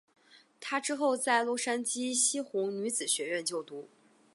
她之后在洛杉矶西湖女子学院就读。